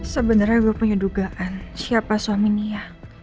sebenarnya gue punya dugaan siapa suaminya